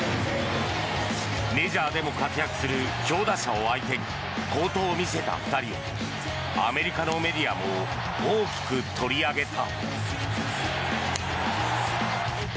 メジャーでも活躍する強打者を相手に好投を見せた２人をアメリカのメディアも大きく取り上げた。